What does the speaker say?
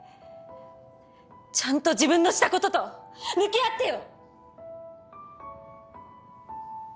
ちゃんと自分のしたことと向き合ってよ！